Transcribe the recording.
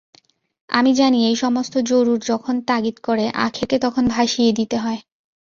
আমি জানি, এই সমস্ত জরুর যখন তাগিদ করে আখেরকে তখন ভাসিয়ে দিতে হয়।